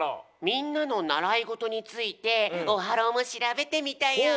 みんなのならいごとについてオハローもしらべてみたよ！